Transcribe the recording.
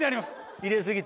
入れ過ぎた？